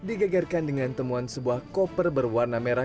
digegarkan dengan temuan sebuah koper berwarna merah